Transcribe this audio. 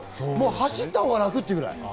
走ったほうが楽ってぐらい。